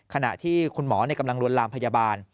ขณะที่คุณหมอกำลังลวนลามพยาบาล